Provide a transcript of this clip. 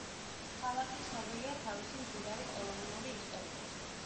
ქალაქი ცნობილია თავის მდიდარი კოლონიური ისტორიით.